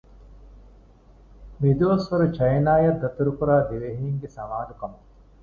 މި ދުވަސްވަރު ޗައިނާއަށް ދަތުރުކުރާ ދިވެހިންގެ ސަމާލުކަމަށް